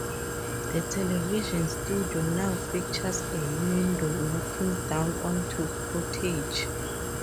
The television studio now features a window looking down onto Portage.